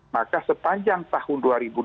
maka sepanjang tahun dua ribu dua puluh